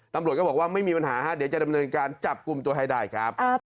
ตำรวจก็บอกว่าไม่มีปัญหาฮะเดี๋ยวจะดำเนินการจับกลุ่มตัวให้ได้ครับ